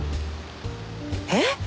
えっ！？